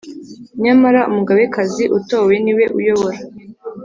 Nyamara Umugabekazi utowe niwe uyobora